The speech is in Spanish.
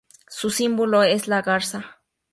Su símbolo es la garza.